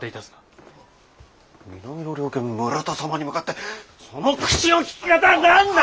南の猟犬・村田様に向かってその口の利き方は何だ！？